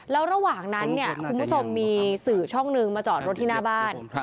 แล้วระหว่างนั้นเนี่ยคุณผู้ชมมีสื่อช่องนึงมาจอดรถที่หน้าบ้าน